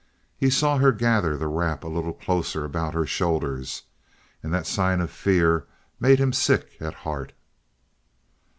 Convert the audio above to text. He saw her gather the wrap a little closer about her shoulders, and that sign of fear made him sick at heart.